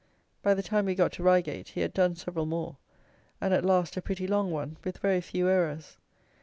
By the time we got to Reigate he had done several more, and at last, a pretty long one, with very few errors.